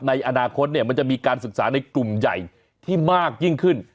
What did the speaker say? ในอนาคตมันจะมีการศึกษาในกลุ่มใหญ่ที่มากยิ่งขึ้น